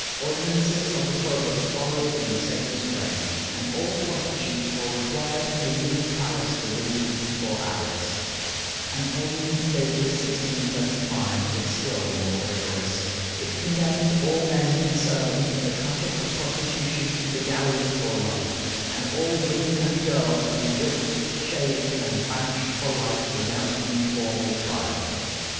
Ordinances of the provost followed in the same strain, and all prostitutes were required to leave Paris within twenty four hours. An ordinance dated 1635 was still more rigorous. It condemned all men concerned in the "traffic of prostitution" to the galleys for life, and all women and girls to be "whipped, shaved, and banished for life, without any formal trial."